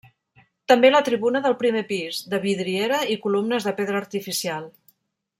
També la tribuna del primer pis, de vidriera i columnes de pedra artificial.